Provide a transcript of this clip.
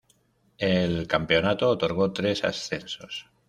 El campeonato otorgó tres ascensos.